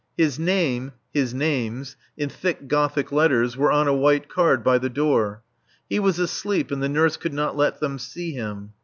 His name his names in thick Gothic letters, were on a white card by the door. He was asleep and the nurse could not let them see him.